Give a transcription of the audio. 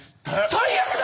最悪だ！